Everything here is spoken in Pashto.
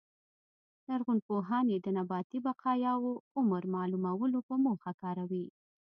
لرغونپوهان یې د نباتي بقایاوو عمر معلومولو په موخه کاروي